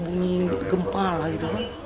bunyi gempa lah gitu kan